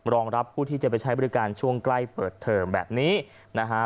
รองรับผู้ที่จะไปใช้บริการช่วงใกล้เปิดเทอมแบบนี้นะฮะ